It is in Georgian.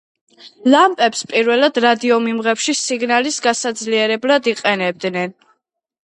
ლამპებს პირველად რადიომიმღებში სიგნალის გასაძლიერებლად იყენებდნენ.